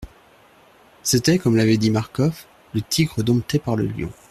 C'était, comme l'avait dit Marcof, le tigre dompté par le lion.